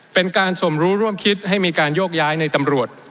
เป็นการสมรู้ร่วมคิดให้มีการโยกย้ายในตำรวจ